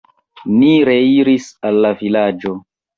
Ni reiris al la vilaĝo.